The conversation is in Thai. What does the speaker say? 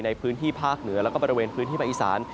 ในพื้นที่ภาคเหนือและก็บริเวณพื้นที่ประอิศรรย์